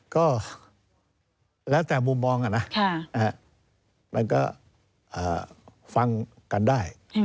ก็แล้วแต่มุมมองนะมันก็ฟังกันได้